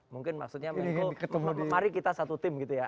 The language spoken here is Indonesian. mungkin maksudnya menko mari kita satu tim gitu ya